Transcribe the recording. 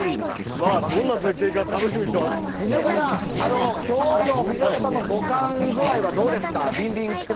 まあどんな絶景か楽しみにしてま藤岡さん、きょうの藤岡さんの五感具合はどうですか？